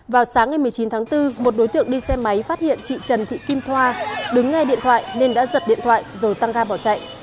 vào sáng ngày một mươi chín tháng bốn một đối tượng đi xe máy phát hiện chị trần thị kim thoa đứng nghe điện thoại nên đã giật điện thoại rồi tăng ga bỏ chạy